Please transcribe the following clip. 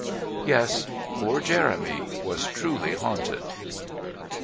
Yes, poor Jeremy was truly haunted.